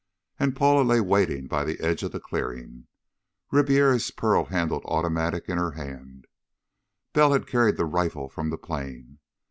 And Paula lay waiting by the edge of the clearing, Ribiera's pearl handled automatic in her hand Bell had carried the rifle from the plane.